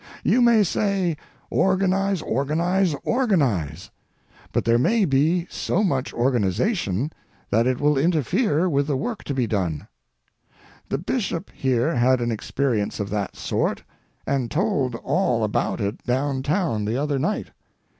You may say organize, organize, organize; but there may be so much organization that it will interfere with the work to be done. The Bishop here had an experience of that sort, and told all about it down town the other night.